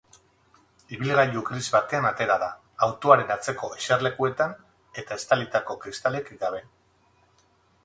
Ibilgailu gris batean atera da, autoaren atzeko eserlekuetan eta estalitako kristalik gabe.